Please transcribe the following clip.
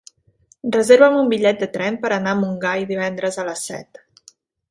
Reserva'm un bitllet de tren per anar a Montgai divendres a les set.